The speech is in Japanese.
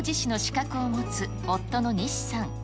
電気工事士の資格を持つ夫の西さん。